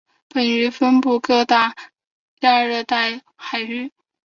本鱼分布各大洋亚热带海域。